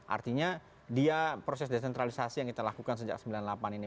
artinya dia proses desentralisasi yang kita lakukan sejak sembilan puluh delapan ini